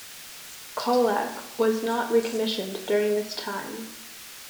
"Colac" was not recommissioned during this time.